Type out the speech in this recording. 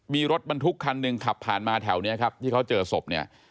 มีรถบรรทุกคันหนึ่งขับผ่านมาแถวนี้ครับที่เขาเจอศพเนี่ย